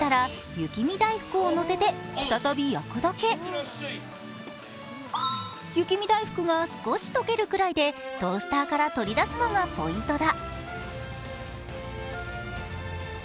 雪見だいふくが少し溶けるくらいで、トースターから取り出すのがポイントだ。